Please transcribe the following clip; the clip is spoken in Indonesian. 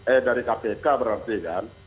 eh dari kpk berarti kan